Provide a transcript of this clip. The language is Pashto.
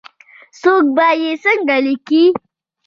څوک به یې څنګه لیکې ؟